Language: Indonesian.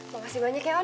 makasih banyak ya man